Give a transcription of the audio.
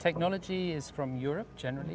teknologi dari eropa secara umum